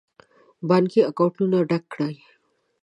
بانکي اکاونټونه ډک کړي.